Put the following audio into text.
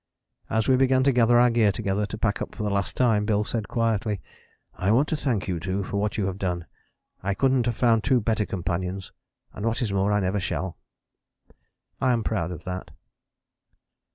As we began to gather our gear together to pack up for the last time, Bill said quietly, "I want to thank you two for what you have done. I couldn't have found two better companions and what is more I never shall." I am proud of that.